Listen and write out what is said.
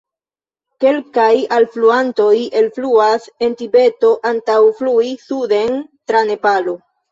Kelkaj alfluantoj elfluas en Tibeto antaŭ flui suden tra Nepalo.